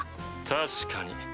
確かに。